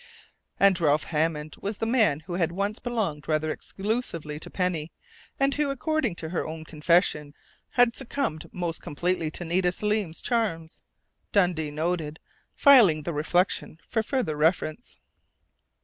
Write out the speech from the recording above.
And Ralph Hammond was the man who had once belonged rather exclusively to Penny, and who, according to her own confession, had succumbed most completely to Nita Selim's charms! Dundee noted, filing the reflection for further reference.